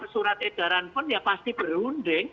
surat edaran pun ya pasti berunding